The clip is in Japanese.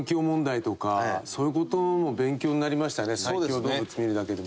最恐動物見るだけでも。